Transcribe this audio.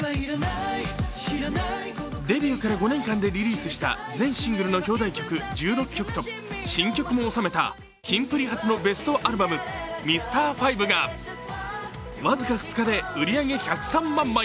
デビューから５年間でリリースした全シングルの表題曲１６曲と新曲も収めたキンプリ初のベストアルバム「Ｍｒ．５」が僅か２日で売り上げ１０３万枚。